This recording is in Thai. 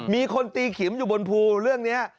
มีคนตีขิมอยู่บนภูเรื่องนี้